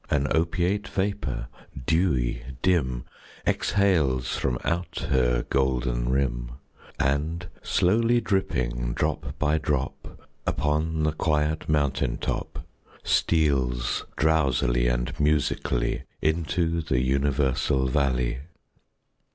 An opiate vapor, dewy, dim, Exhales from out her golden rim, And, softly dripping, drop by drop, Upon the quiet mountain top, Steals drowsily and musically Into the universal valley.